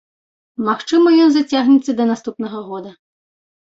Магчыма, ён зацягнецца да наступнага года.